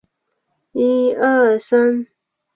我站了起来